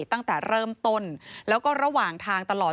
ตั้งแต่เริ่มต้นแล้วก็ระหว่างทางตลอด